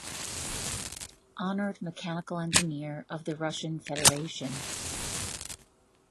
Honored Mechanical Engineer of the Russian Federation.